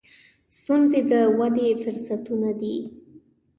• ستونزې د ودې فرصتونه دي.